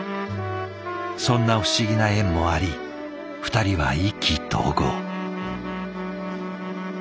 そんな不思議な縁もあり２人は意気投合。